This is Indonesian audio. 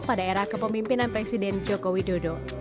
pada era kepemimpinan presiden joko widodo